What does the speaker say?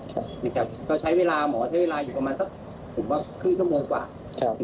หมอใช้เวลาอยู่ประมาณสักผมว่าครึ่งชั่วโมงกว่าถึง๔๕ปี